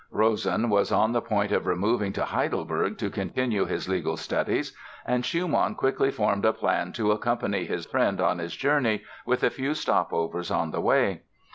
Rosen was on the point of removing to Heidelberg to continue his legal studies and Schumann quickly formed a plan to accompany his friend on his journey, with a few stopovers on the way.